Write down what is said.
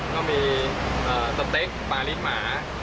ก็มีสเต็กปลาลิ้นหมา